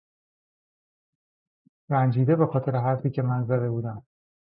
رنجیده به خاطر حرفی که من زده بودم